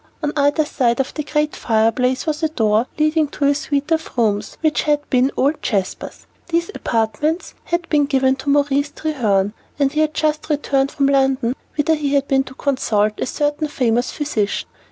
On either side of the great fireplace was a door leading to a suite of rooms which had been old Sir Jasper's. These apartments had been given to Maurice Treherne, and he had just returned from London, whither he had been to consult a certain famous physician.